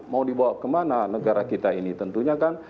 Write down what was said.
mau dibawa kemana negara kita ini tentunya kan